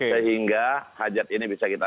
sehingga hajat ini bisa kita